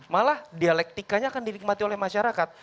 malah dialektikanya akan dinikmati oleh masyarakat